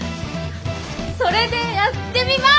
それでやってみます！